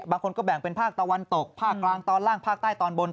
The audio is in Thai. บางคนก็แบ่งเป็นภาคตะวันตกภาคกลางตอนล่างภาคใต้ตอนบน